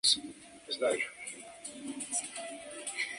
Fue descalificado de la prueba y repudiado por el resto de atletas.